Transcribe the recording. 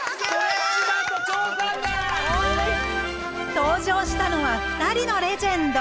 登場したのは２人のレジェンド。